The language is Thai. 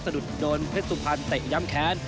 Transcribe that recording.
ดุดโดนเพชรสุพรรณเตะย้ำแค้น